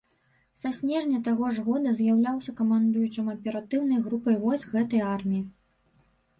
Са снежня таго ж года з'яўляўся камандуючым аператыўнай групай войск гэтай арміі.